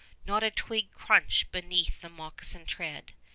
Not a twig crunched beneath the moccasin tread.